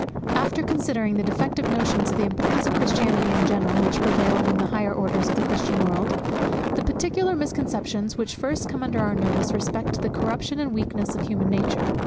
_ After considering the defective notions of the importance of Christianity in general, which prevail among the higher orders of the Christian world, the particular misconceptions which first come under our notice respect the corruption and weakness of human nature.